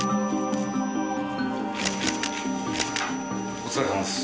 お疲れさまです。